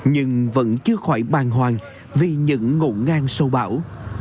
nhưng vẫn chưa khỏi bàn hoàng vì những ngộ ngang sâu bão